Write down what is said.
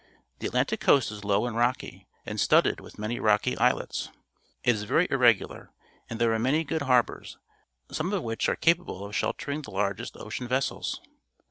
The Atlantic coast is low and rocky, and studded with many rocky islets. It is very irregular, and there are many good harbours, some of which are capable of sheltering the largest ocean vessels.